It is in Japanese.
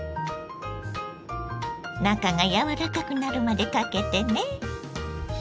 中がやわらかくなるまでかけてね。